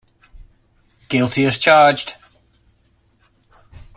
Guilty as charged.